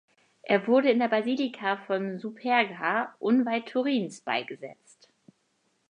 Er wurde in der Basilika von Superga unweit Turins beigesetzt.